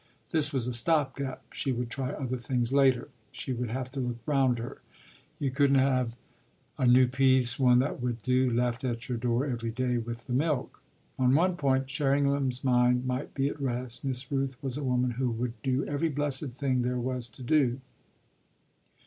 This was a stop gap she would try other things later; she would have to look round her; you couldn't have a new piece, one that would do, left at your door every day with the milk. On one point Sherringham's mind might be at rest: Miss Rooth was a woman who would do every blessed thing there was to do.